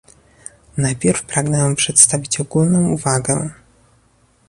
Najpierw pragnę przedstawić ogólną uwagę